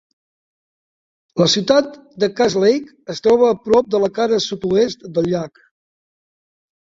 La ciutat de Cass Lake es troba a prop de la cara sud-oest del llac.